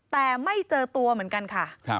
แต่ไม่เจอตัวเหมือนกันค่ะ